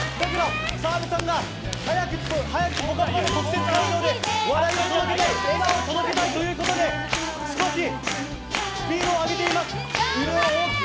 澤部さんが特設会場に笑いを届けたい笑顔を届けたいということで少しスピードを上げています。